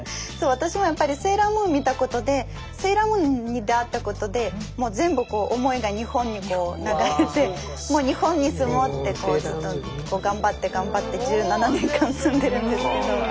私もやっぱり「セーラームーン」見たことで「セーラームーン」に出会ったことでもう全部思いが日本に流れてもう日本に住もうってこうずっと頑張って頑張って１７年間住んでるんですけど。